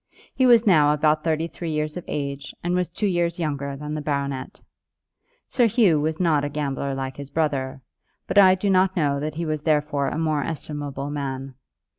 He was now about thirty three years of age, and was two years younger than the baronet. Sir Hugh was not a gambler like his brother, but I do not know that he was therefore a more estimable man.